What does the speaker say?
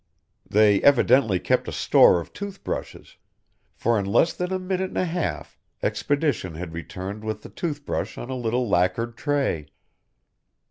They evidently kept a store of tooth brushes, for in less than a minute and a half Expedition had returned with the tooth brush on a little lacquered tray.